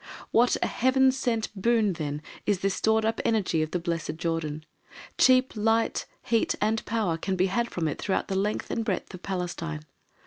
What a Heaven sent boon then is this stored up energy of the blessed Jordan. Cheap light, heat, and power can be had from it throughout the length and breadth of Palestine.